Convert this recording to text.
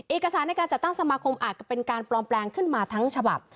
เอกสารในการจัดตั้งสมาคมอาจจะเป็นการปลอมแปลงขึ้นมาทั้งฉบับ